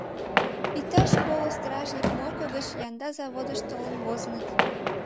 Иктаж коло стражник Морко гыч янда заводыш толын возыныт.